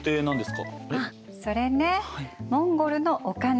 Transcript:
あっそれねモンゴルのお金。